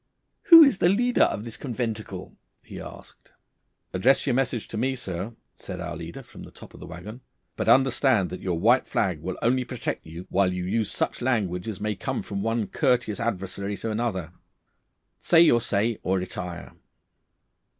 'Who is the leader of this conventicle?' he asked. 'Address your message to me, sir,' said our leader from the top of the waggon, 'but understand that your white flag will only protect you whilst you use such language as may come from one courteous adversary to another. Say your say or retire.